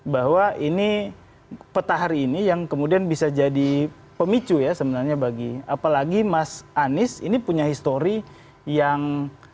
bahwa ini peta hari ini yang kemudian bisa jadi pemicu ya sebenarnya bagi apalagi mas anies ini punya histori yang